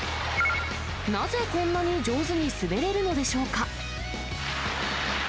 なぜこんなに上手に滑れるのでしょうか。